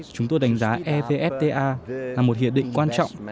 chúng tôi đánh giá evfta là một hiện định quan trọng